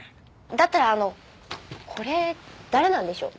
だったらあのこれ誰なんでしょう？